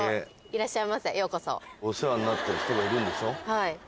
はい。